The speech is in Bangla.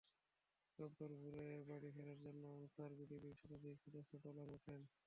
রোববার ভোরে বাড়ি ফেরার জন্য আনসার ভিডিপির শতাধিক সদস্য ট্রলারে ওঠেন।